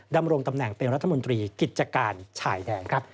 ดำรงตำแหน่งเป็นรัฐมนตรีกิจการชายแดนครับ